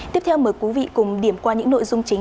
tiếp theo mời quý vị cùng điểm qua những nội dung chính